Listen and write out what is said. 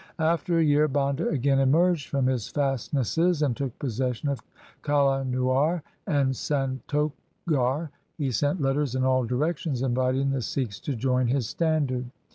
After a year Banda again emerged from his fastnesses and took possession of Kalanuar and Santokhgarh. He sent letters in all directions inviting the Sikhs to join his standard.